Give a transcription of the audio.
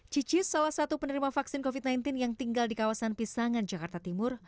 cicis salah satu penerima vaksin covid sembilan belas yang tinggal di kawasan pisangan jakarta timur